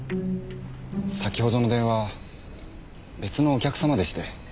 先ほどの電話別のお客様でして。